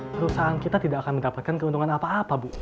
perusahaan kita tidak akan mendapatkan keuntungan apa apa bu